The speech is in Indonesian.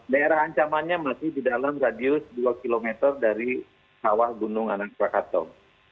daerah ancamannya masih di dalam radius dua km dari kawah gunung anak rakatau